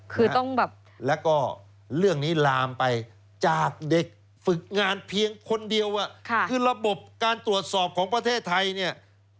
คือต้องแบบแล้วก็เรื่องนี้ลามไปจากเด็กฝึกงานเพียงคนเดียวคือระบบการตรวจสอบของประเทศไทยเนี่ย